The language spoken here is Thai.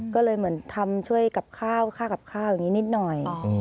ก็เลยเหมือนทำช่วยกับข้าวค่ากับข้าวอย่างนี้นิดหน่อย